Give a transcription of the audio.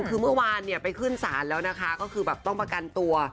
คือเมื่อวานเนี่ยไปขึ้นศาลแล้วนะคะก็คือแบบต้องประกันตัว